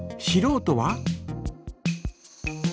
しろうとは？